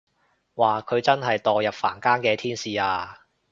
哇佢真係墮入凡間嘅天使啊